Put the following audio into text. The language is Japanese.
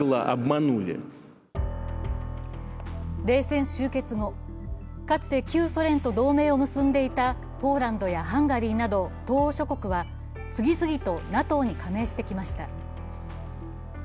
冷戦終結後、かつて旧ソ連ど同盟を結んでいたポーランドやハンガリーなど東欧諸国は次々とＮＡＴＯに加盟してきました。